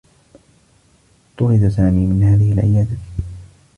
طُرد سامي من هذه العيادة.